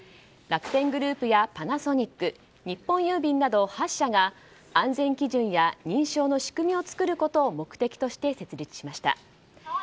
楽天グループやパナソニック日本郵便など８社が安全基準や認証の仕組みを作ることを目的として設立しました。